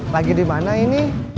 lagi dimana ini